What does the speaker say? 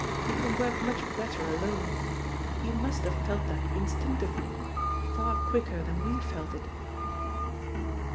You can work much better alone. You must have felt that instinctively far quicker than we felt it."